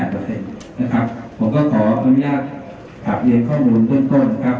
ผมก็ขออนุญาตการเรียนข้อมูลต้น